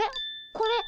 これ。